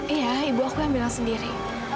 iya ibu aku yang bilang sendiri